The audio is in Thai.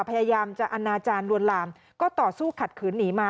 พยายามจะอนาจารย์ลวนลามก็ต่อสู้ขัดขืนหนีมา